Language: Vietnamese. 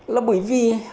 là bởi vì